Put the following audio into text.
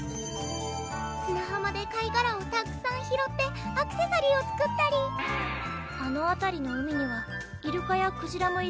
砂浜で貝殻をたくさん拾ってアクセサリーを作ったりあのあたりの海にはイルカやクジラもいるはず